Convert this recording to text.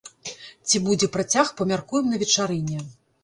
Ці будзе працяг, памяркуем на вечарыне.